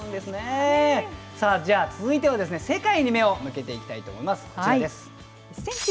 じゃあ続いては世界に目を向けていきたいと思います。